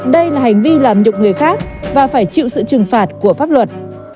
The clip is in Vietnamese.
đây là hành vi làm nhục người khác và phải chịu sự trừng phạt của pháp luật